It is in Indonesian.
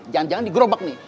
jangan jangan ini gerobak nih